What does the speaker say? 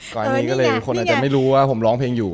ตอนนี้ก็เลยคนอาจจะไม่รู้ว่าผมร้องเพลงอยู่